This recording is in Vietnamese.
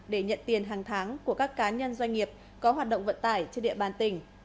để nhận tiền hàng tháng của các cá nhân doanh nghiệp có hoạt động vận tải trên địa bàn tỉnh